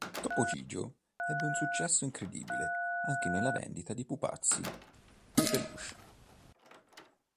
Topo Gigio ebbe un successo incredibile anche nella vendita di pupazzi di peluche.